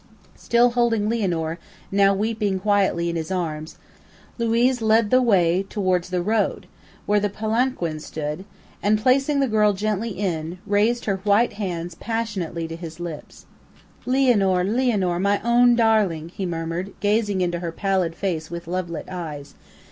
Still holding Lianor, now weeping quietly, in his arms, Luiz led the way towards the road, where the palanquin stood, and placing the girl gently in, raised her white hands passionately to his lips. "Lianor, Lianor, my own darling!" he murmured, gazing into her pallid face with lovelit eyes.